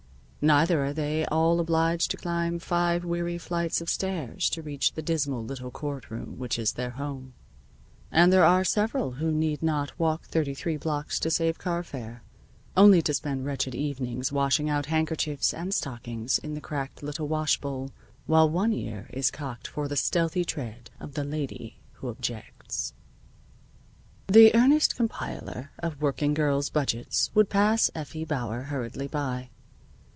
Neither are they all obliged to climb five weary flights of stairs to reach the dismal little court room which is their home, and there are several who need not walk thirty three blocks to save carfare, only to spend wretched evenings washing out handkerchiefs and stockings in the cracked little washbowl, while one ear is cocked for the stealthy tread of the Lady Who Objects. The earnest compiler of working girls' budgets would pass Effie Bauer hurriedly by.